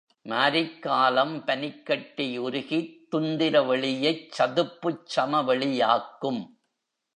மாரிக்காலம் பனிக்கட்டி உருகித் துந்திர வெளியைச் சதுப்புச் சமவெளி யாக்கும்.